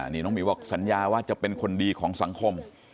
นี่น้องหมิวบอกสัญญาว่าจะเป็นคนดีของสังคม